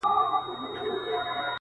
خال دې په خيالونو کي راونغاړه_